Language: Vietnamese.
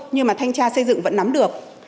nhưng mà thanh tra xây dựng vẫn nắm được